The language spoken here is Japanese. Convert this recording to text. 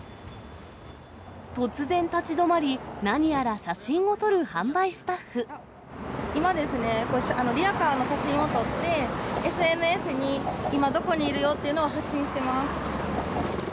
突然立ち止まり、今ですね、リヤカーの写真を撮って、ＳＮＳに、今どこにいるよというのを発信してます。